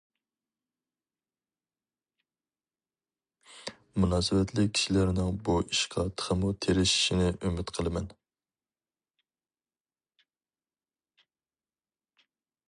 مۇناسىۋەتلىك كىشىلەرنىڭ بۇ ئىشقا تېخىمۇ تىرىشىشىنى ئۈمىد قىلىمەن.